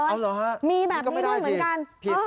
เอาเหรอนี่ก็ไม่ได้สิมีแบบนี้ด้วยเหมือนกัน